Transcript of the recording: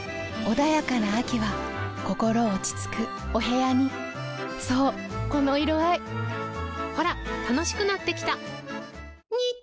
穏やかな秋は心落ち着くお部屋にそうこの色合いほら楽しくなってきた！